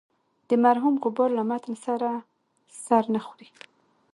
د مرحوم غبار له متن سره سر نه خوري.